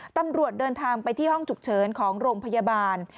ตำรวจเดินทางไปที่ห้องฉุกเฉินของโรงพยาบาล